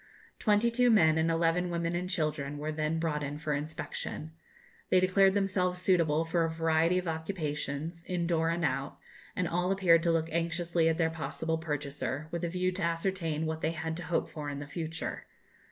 Twenty two men and eleven women and children were then brought in for inspection. They declared themselves suitable for a variety of occupations, in door and out, and all appeared to look anxiously at their possible purchaser, with a view to ascertain what they had to hope for in the future.